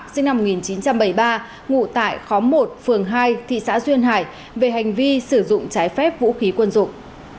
sinh năm một nghìn chín trăm bảy mươi ba ngụ tại khóm một phường hai thị xã duyên hải về hành vi sử dụng trái phép vũ khí quân dụng